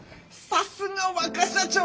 さすが若社長。